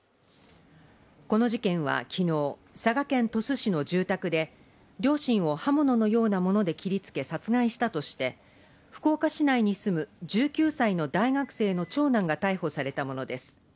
この事件は昨日佐賀県鳥栖市の住宅で、両親を刃物のようなもので切り付け殺害したとして、福岡市内に住む１９歳の大学生の長男が逮捕されたものです。